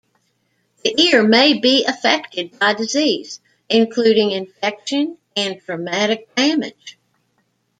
The ear may be affected by disease, including infection and traumatic damage.